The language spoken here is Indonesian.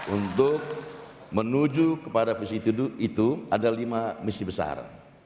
untuk menuju kepada visi itu ada lima misi besar